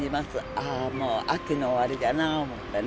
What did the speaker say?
ああ、もう秋の終わりだなと思ってね。